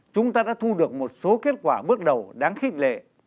chúng ta đã thu được một số kết quả bước đầu đáng khích lệ